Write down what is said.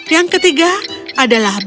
yang ketiga adalah bintang